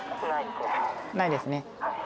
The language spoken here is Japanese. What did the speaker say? ないですね。